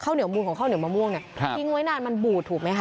เหนียวมูลของข้าวเหนียวมะม่วงเนี่ยทิ้งไว้นานมันบูดถูกไหมค